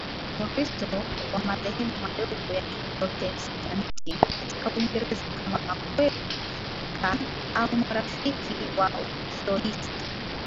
Wakristo wa madhehebu madogo ya Kiprotestanti katika Uingereza kama Makweka au Marafiki na Wamethodisti